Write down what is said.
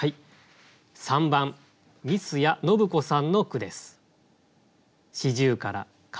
３番翠簾屋信子さんの句です。